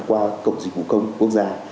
qua cộng dịch vụ công quốc gia